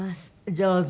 上手。